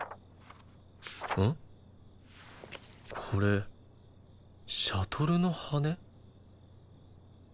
これシャトルの羽根？